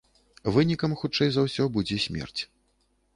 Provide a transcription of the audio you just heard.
Вынікам хутчэй за ўсё будзе смерць.